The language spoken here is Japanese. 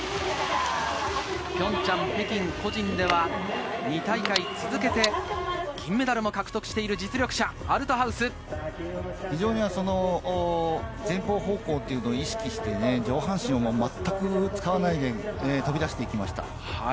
ピョンチャン、北京、個人では２大会続けて銀メダルを獲得している実力者のアルトハウ前方方向を意識して、上半身を全く使わないで飛び出していきました。